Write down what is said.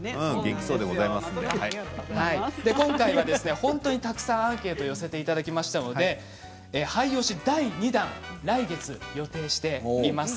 元気にニュースを今回はアンケートを寄せていただきましたので俳優推し第２弾来月予定しています。